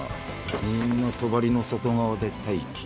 みんな帳の外側で待機。